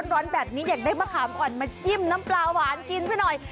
ร้อนแบบนี้อยากได้มะขามอ่อนมาจิ้มน้ำปลาหวานกินซะหน่อย